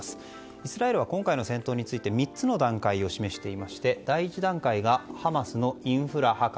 イスラエルは今回の戦闘について３つの段階を示していまして第１段階がハマスのインフラ破壊。